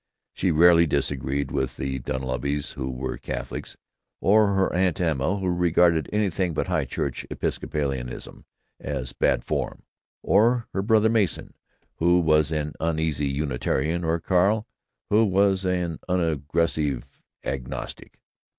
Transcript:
She rarely disagreed with the Dunleavys, who were Catholics; or her Aunt Emma, who regarded anything but High Church Episcopalianism as bad form; or her brother Mason, who was an uneasy Unitarian; or Carl, who was an unaggressive agnostic.